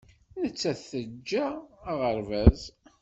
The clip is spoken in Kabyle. Nettat teǧǧa aɣerbaz.